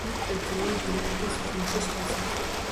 მათ ერთდროულად გადაკვეთეს ფინიშის ხაზი.